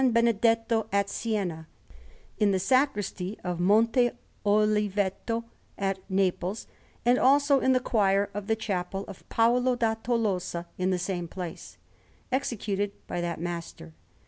Benedetto at Siena, in the Sacristy of Monte Oliveto at Naples, and also in the choir of the Chapel of Paolo da Tolosa in the same place, executed by that master.